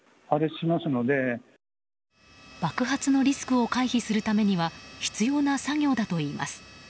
爆発のリスクを回避するためには必要な作業だといいます。